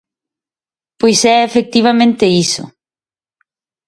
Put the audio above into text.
Pois é efectivamente iso.